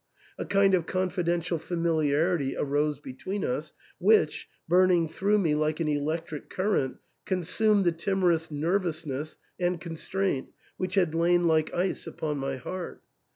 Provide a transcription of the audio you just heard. A kind of confidential familiarity arose between us, which, burning through me like an electric current, consumed the timorous nervousness and constraint which had lain like ice upon my heart.